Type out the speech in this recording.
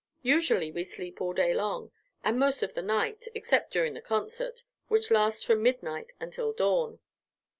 Usually we sleep all day long, and most of the night, except during the concert, which lasts from midnight until dawn."